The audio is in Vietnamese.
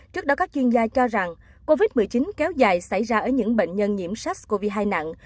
trước đó các chuyên gia cho rằng covid một mươi chín kéo dài xảy ra ở những bệnh nhân nhiễm sars cov hai nặng